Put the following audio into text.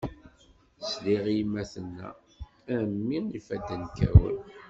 Sliɣ i yemma tenna, a mmi ifadden kkawen.